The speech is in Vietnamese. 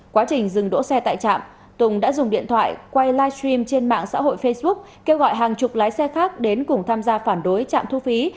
quá trình dừng đỗ xe tại trạm tùng đã dùng điện thoại quay livestream trên mạng xã hội facebook kêu gọi hàng chục lái xe khác đến cùng tham gia phản đối trạm thu phí